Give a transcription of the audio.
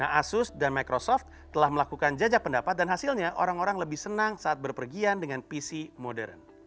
dan asus dan microsoft telah melakukan jajak pendapat dan hasilnya orang orang lebih senang saat berpergian dengan pc modern